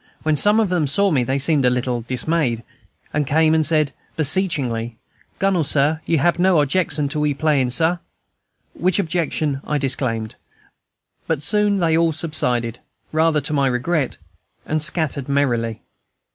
When some of them saw me they seemed a little dismayed, and came and said, beseechingly, "Gunnel, Sah, you hab no objection to we playin', Sah?" which objection I disclaimed; but soon they all subsided, rather to my regret, and scattered merrily.